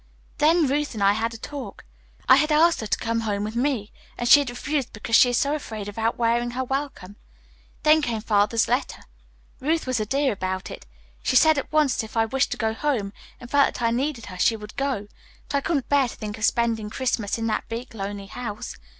Then Ruth and I had a talk. I had asked her to go home with me, and she had refused because she is so afraid of outwearing her welcome. Then came Father's letter. Ruth was a dear about that. She said at once that if I wished to go home and felt that I needed her she would go, but I couldn't bear to think of spending Christmas in that big, lonely house.